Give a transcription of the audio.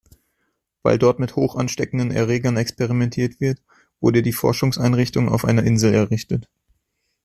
Weil dort mit hochansteckenden Erregern experimentiert wird, wurde die Forschungseinrichtung auf einer Insel errichtet.